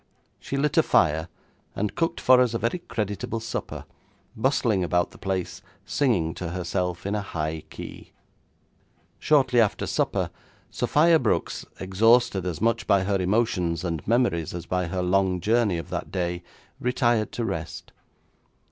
She lit a fire, and cooked for us a very creditable supper, bustling about the place, singing to herself in a high key. Shortly after supper Sophia Brooks, exhausted as much by her emotions and memories as by her long journey of that day, retired to rest.